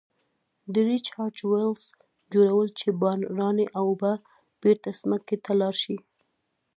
د Recharge wells جوړول چې باراني اوبه بیرته ځمکې ته لاړې شي.